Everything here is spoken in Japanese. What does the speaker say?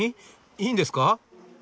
いいんですか？